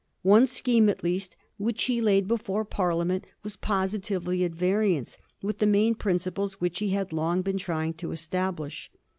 One scheme at least which he laid before Parliament was posi tively at variance with the main principles which he had long been trying to establish.